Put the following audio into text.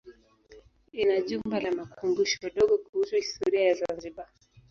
Ina jumba la makumbusho dogo kuhusu historia ya Zanzibar.